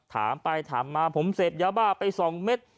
ถามไปถามมาผมเสพยาบ้าไป๒เม็ด